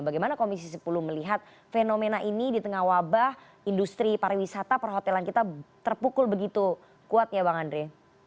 bagaimana komisi sepuluh melihat fenomena ini di tengah wabah industri pariwisata perhotelan kita terpukul begitu kuat ya bang andre